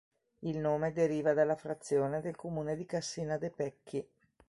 Il nome deriva dalla frazione del comune di Cassina de' Pecchi.